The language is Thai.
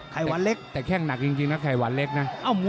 ไหวันเล็กแต่แข้งหนักจริงนะไข่หวานเล็กนะ